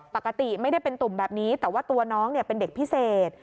ปกติไม่ได้เป็นตุ่มแบบนี้แต่ว่าตัวน้องเป็นเด็กพิเศษ